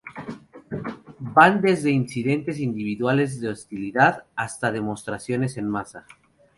Van desde incidentes individuales de hostilidad hasta demostraciones en masa.